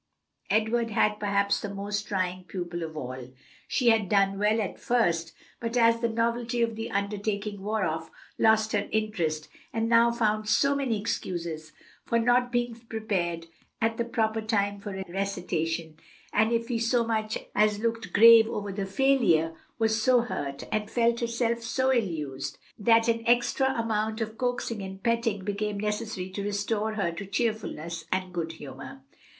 Edward had, perhaps, the most trying pupil of all; she had done well at first, but as the novelty of the undertaking wore off, lost her interest, and now found so many excuses for not being prepared at the proper time for recitation; and if he so much as looked grave over the failure, was so hurt, and felt herself so ill used, that an extra amount of coaxing and petting became necessary to restore her to cheerfulness and good humor.